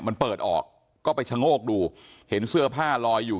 มันเปิดออกก็ไปชะโงกดูเห็นเสื้อผ้าลอยอยู่